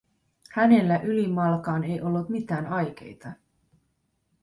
Hänellä ylimalkaan ei ollut mitään aikeita.